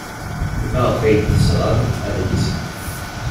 Maɣef ay d-tesɣam adlis-a?